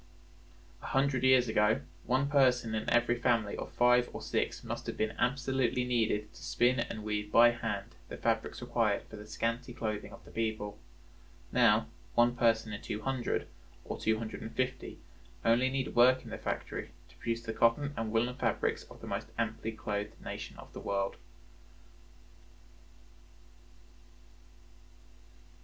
the year. 1860 140,433 $1,009,855 1,311,246 $378,878,966 1880 253,852 2,790,272 2,732,595 947,953,795 "A hundred years ago, one person in every family of five or six must have been absolutely needed to spin and weave by hand the fabrics required for the scanty clothing of the people; now one person in two hundred or two hundred and fifty only need work in the factory to produce the cotton and woolen fabrics of the most amply clothed nation of the world."